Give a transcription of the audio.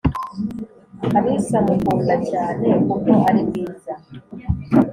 alisa mukunda cyane kuko ari mwiza